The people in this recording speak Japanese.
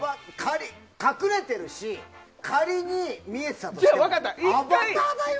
隠れてるし仮に見えてたとしてアバターだよ。